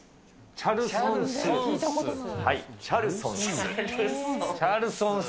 チャルソンス。